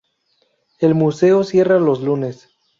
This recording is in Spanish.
El museo cierra los lunes.